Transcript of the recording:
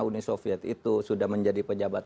uni soviet itu sudah menjadi pejabat